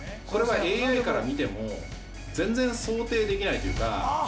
これはＡＩから見ても、全然想定できないというか。